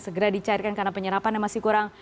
segera dicairkan karena penyerapan yang masih kurang